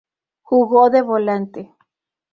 Jugó de Volante.